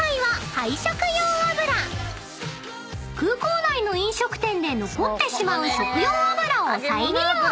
［空港内の飲食店で残ってしまう食用油を再利用］